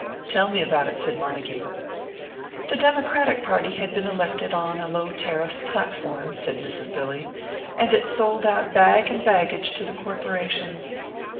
"Tell me about it," said Montague. "The Democratic party had been elected on a low tariff platform," said Mrs. Billy; "and it sold out bag and baggage to the corporations.